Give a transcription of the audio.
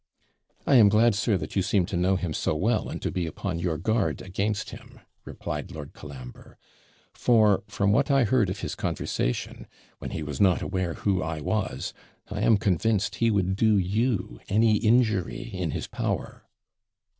'I am glad, sir, that you seem to know him so well, and to be upon your guard against him,' replied Lord Colambre; 'for, from what I heard of his conversation, when he was not aware who I was, I am convinced he would do you any injury in his power.'